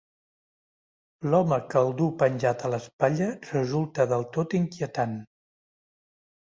L'home que el duu penjat a l'espatlla resulta del tot inquietant.